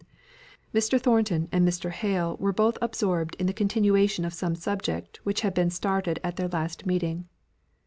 Mr. Thornton and Mr. Hale were both absorbed in the continuation of some object which had been started at their last meeting.